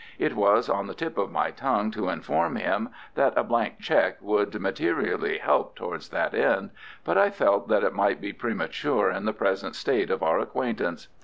It was on the tip of my tongue to inform him that a blank cheque would materially help towards that end, but I felt that it might be premature in the present state of our acquaintance.